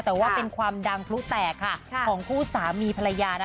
แต่ว่าเป็นความดังพลุแตกค่ะของคู่สามีภรรยานะ